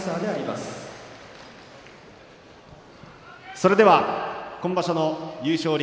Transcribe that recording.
それでは今場所の優勝力